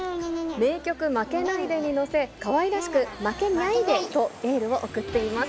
名曲、負けないでに乗せ、かわいらしく、負けにゃいでとエールを送っています。